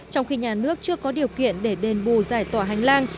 trong khi nhà nước chưa có điều kiện để đền bù giải tỏa hành lang